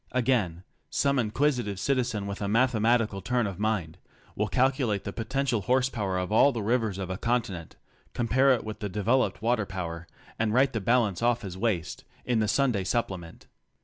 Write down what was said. Again, some inquisitive citizen with a mathematical turn of mind will calculate the potential horse power of all the rivers of a continent — compare it with the developed water power — and write the balance off as waste, in the Sunday supplement.